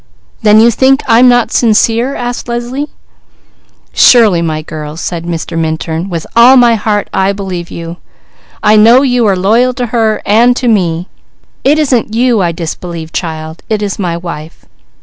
"Then you think I'm not sincere?" asked Leslie. "Surely, my dear girl!" said Mr. Minturn. "With all my heart I believe you! I know you are loyal to her, and to me! It isn't you I disbelieve, child, it is my wife."